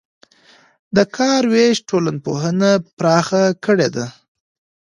د کار وېش ټولنپوهنه پراخه کړې ده.